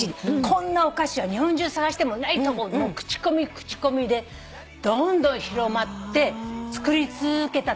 こんなお菓子は日本中探してもないと思う」口コミ口コミでどんどん広まって作り続けたところ